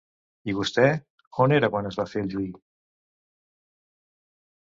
I vostè? On era quan es va fer el juí?